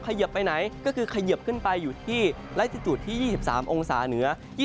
เยิบไปไหนก็คือเขยิบขึ้นไปอยู่ที่ไล่ที่จุดที่๒๓องศาเหนือ